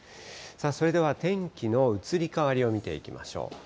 それでは天気の移り変わりを見ていきましょう。